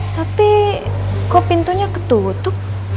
tapi kok pintunya ketutup